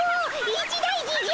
一大事じゃ！